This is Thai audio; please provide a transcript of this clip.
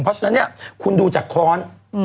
เพราะฉะนั้นเนี่ยคุณดูจากค้อน